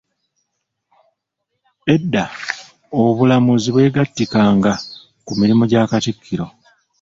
Edda obulamuzi bwegattikanga ku mirimu gya Katikkiro.